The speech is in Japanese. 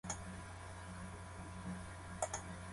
誰もいなくなった